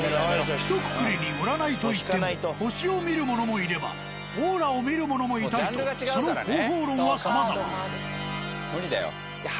ひとくくりに占いといっても星を見る者もいればオーラを見る者もいたりとその方法論はさまざま。